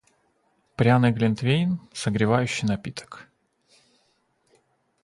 Пряный глинтвейн - согревающий напиток.